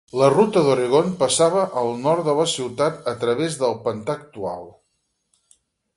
La ruta d'Oregon passava al nord de la ciutat a través del pantà actual.